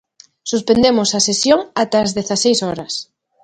Suspendemos a sesión ata as dezaseis horas.